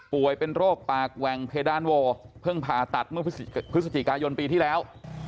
เป็นโรคปากแหว่งเพดานโวเพิ่งผ่าตัดเมื่อพฤศจิกายนปีที่แล้ว